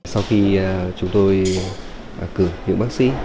sau khi chúng tôi cử những bác sĩ